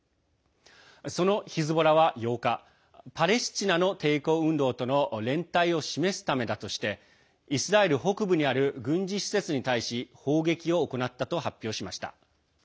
そのヒズボラは８日パレスチナの抵抗運動との連帯を示すためだとしてイスラエル北部にある軍事施設に対し砲撃を行ったと発表しました。